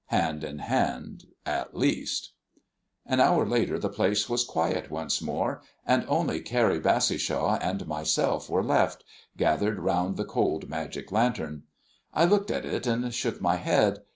Hand in hand at least. An hour later the place was quiet once more, and only Carrie, Bassishaw, and myself were left, gathered round the cold magic lantern. I looked at it and shook my head.